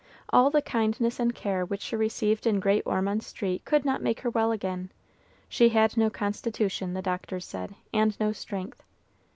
All the kindness and care which she received in Great Ormond Street could not make her well again. She had no constitution, the doctors said, and no strength.